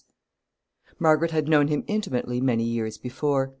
] Margaret had known him intimately many years before.